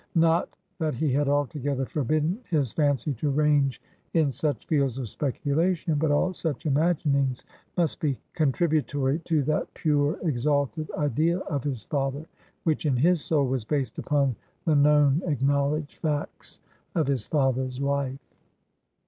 Not, that he had altogether forbidden his fancy to range in such fields of speculation; but all such imaginings must be contributory to that pure, exalted idea of his father, which, in his soul, was based upon the known acknowledged facts of his father's life.